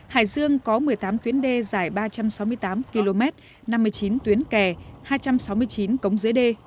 hải dương có một mươi tám tuyến đê dài ba trăm sáu mươi tám km năm mươi chín tuyến kè hai trăm sáu mươi chín cống dưới đê